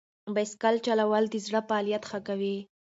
بایسکل چلول د زړه فعالیت ښه کوي.